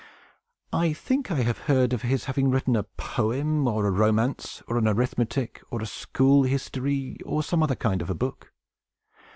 I think I have heard of his having written a poem, or a romance, or an arithmetic, or a school history, or some other kind of a book."